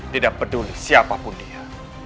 tidak peduli siapapun dia